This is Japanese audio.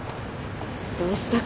どうした？